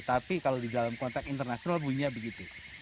tapi kalau di dalam konteks internasional bunyinya begitu